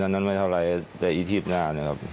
อันนั้นไม่เท่าไรแต่อีชีพหน้าหน่อยครับ